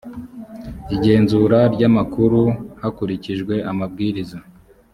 igenzura ry amakuru hakurikijwe amabwiriza